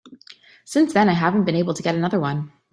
Since then I haven't been able to get another one.